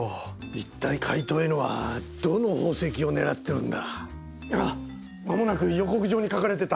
一体怪盗Ｎはどの宝石を狙ってるんだ？